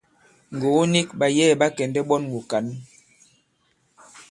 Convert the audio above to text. Ŋgògo nik, ɓàyɛ̌ɛ̀ ɓa kɛ̀ndɛ̀ ɓɔn wùkǎn.